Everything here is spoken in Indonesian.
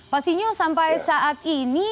pak sinyo sampai saat ini